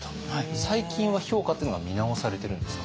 最近は評価っていうのが見直されてるんですか？